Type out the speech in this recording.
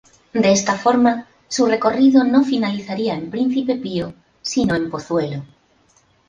De esta forma, su recorrido no finalizaría en Principe Pío, sino en Pozuelo.